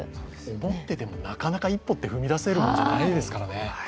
思っててもなかなか一歩って踏み出せるものじゃないですからね。